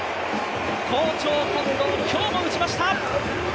好調、近藤、今日も打ちました。